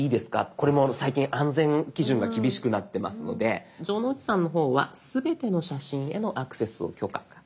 これも最近安全基準が厳しくなってますので城之内さんの方は「すべての写真へのアクセスを許可」。